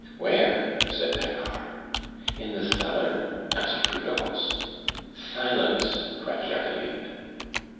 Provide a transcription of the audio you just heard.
"Where?" said Paccard. "In the cellar?" asked Prudence. "Silence!" cried Jacqueline.